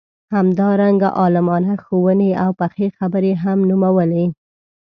همدارنګه عالمانه ښووني او پخې خبرې هم نومولې.